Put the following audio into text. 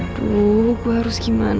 aduh gue harus gimana